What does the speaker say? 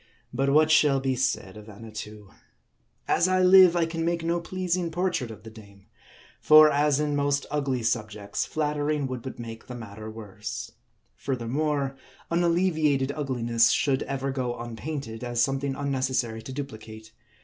But what shall be said of Annatoo ? As I live, I can make no pleasing portrait of the dame ; for as in most ugly subjects, flattering would but make the matter worse. Furthermore, unallevi ated ugliness should ever go unpainted, as something unne cessary to duplicate.